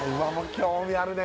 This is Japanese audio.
興味あるね